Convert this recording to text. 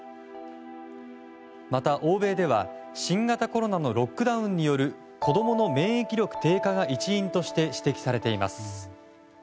また欧米では新型コロナのロックダウンによる子供の免疫力低下が一因として指摘されています。